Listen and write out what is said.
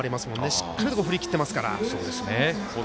しっかりと振り切ってますから。